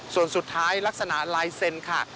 ส่วนสุดท้ายลักษณะลายเซ็นต์ค่ะ